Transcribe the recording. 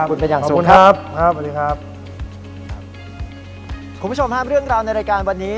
คุณผู้ชมห้ามเรื่องราวในรายการวันนี้